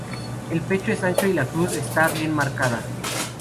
El pecho es ancho y la cruz está bien marcada.